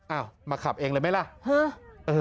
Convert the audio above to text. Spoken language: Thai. เอามาขับเองเลยไหมล่ะ